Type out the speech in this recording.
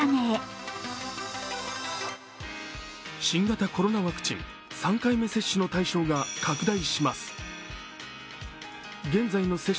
新型コロナワクチン、３回目接種の対象が拡大します。